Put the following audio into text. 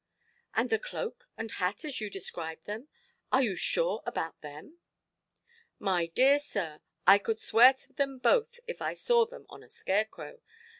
"And the cloak and hat, as you described them—are you sure about them"? "My dear sir, I could swear to them both if I saw them on a scarecrow.